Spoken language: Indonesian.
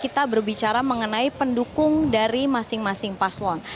kita berbicara mengenai pendukung dari masing masing paslon